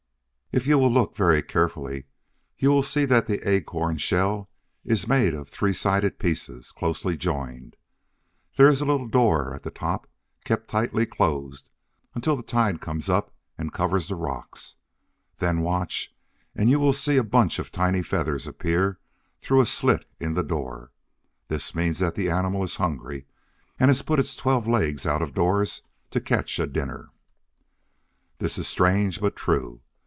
If you will look very carefully, you will see that the Acorn Shell is made of three sided pieces, closely joined. There is a little door at the top, kept tightly closed until the tide comes up and covers the rocks. Then watch, and you will see a bunch of tiny feathers appear through a slit in the door. This means that the animal is hungry, and has put its twelve legs out of doors to catch a dinner! This is strange, but true!